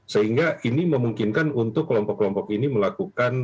sehingga ini memungkinkan untuk kelompok kelompok ini melakukan